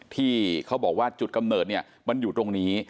ที่เขาบอกว่าจุดกำเนิดเนี่ยมันอยู่ตรงนี้